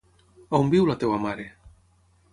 On viu la teva mare?